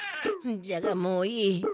じゃがもういい。